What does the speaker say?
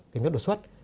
kiểm tra đột xuất